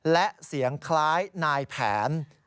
และเสียงคล้ายนายแผน